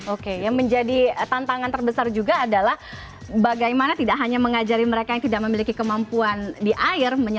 oke yang menjadi tantangan terbesar juga adalah bagaimana tidak hanya mengajari mereka yang tidak memiliki kemampuan di air